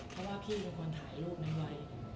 เพราะว่าพี่คนทายรูปนึงไว้